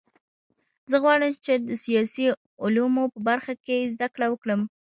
زه غواړم چې د سیاسي علومو په برخه کې زده کړه وکړم